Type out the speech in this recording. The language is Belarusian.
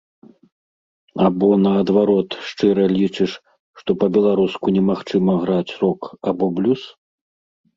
Або, наадварот, шчыра лічыш, што па-беларуску немагчыма граць рок або блюз?